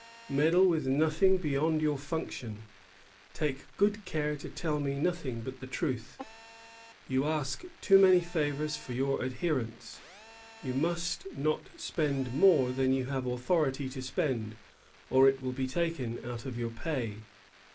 "Meddle with nothing beyond your functions." "Take good care to tell me nothing but the truth." "You ask too many favors for your adherents." "You must not spend more than you have authority to spend, or it will be taken out of your pay."